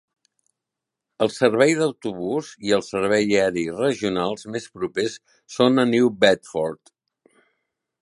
El servei d'autobús i el servei aeri regionals més propers són a New Bedford.